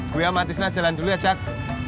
gue sama atisna jalan dulu ya cak